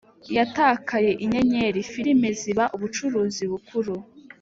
yatakaye inyenyeri: filime ziba ubucuruzi bukuru